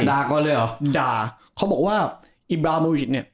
ก่อนเลยเหรอด่าเขาบอกว่าอิบราโมวิดเนี่ย